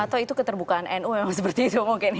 atau itu keterbukaan nu memang seperti itu mungkin